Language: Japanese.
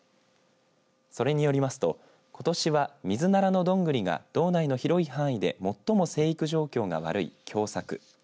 それによりますと、ことしはミズナラのどんぐりが道内の広い範囲で最も生育状況が悪い凶作。